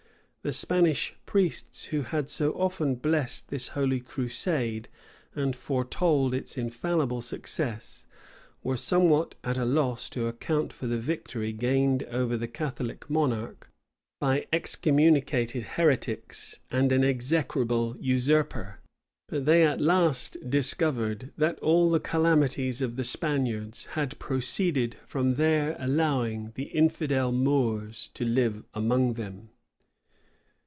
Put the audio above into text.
The Spanish priests, who had so often blessed this holy crusade and foretold its infallible success, were somewhat at a loss to account for the victory gained over the Catholic monarch by excommunicated heretics and an execrable usurper: but they at last discovered, that all the calamities of the Spaniards had proceeded from their allowing the infidel Moors to live among them.